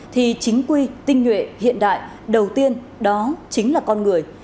thì chính quy tinh nhuệ hiện đại đầu tiên đó chính là con người